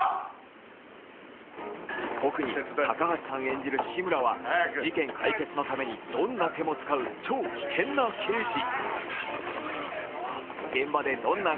演じる志村は事件解決のためにどんな手も使う超危険な刑事。